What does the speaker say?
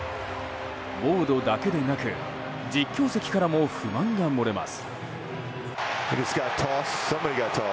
ウォードだけでなく実況席からも不満が漏れます。